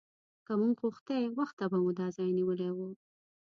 که موږ غوښتی وخته به مو دا ځای نیولی و.